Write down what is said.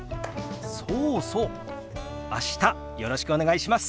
そうそう明日よろしくお願いします。